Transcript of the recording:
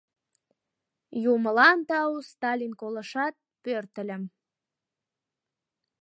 Юмылан тау, Сталин колышат, пӧртыльым.